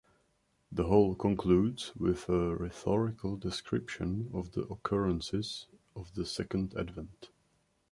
The whole concludes with a rhetorical description of the occurrences of the Second Advent.